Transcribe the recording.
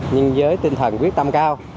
nhưng với tinh thần quyết tâm cao